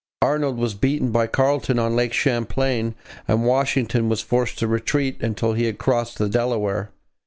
Arnold was beaten by Carleton on Lake Champlain and Washington was forced to retreat until he had crossed the Delaware.